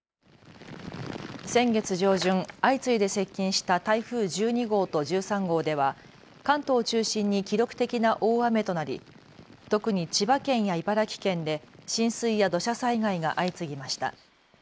先月上旬、相次いで接近した台風１２号と１３号では関東を中心に記録的な大雨となり特に千葉県や茨城県で浸水や土砂災害が相次ぎました。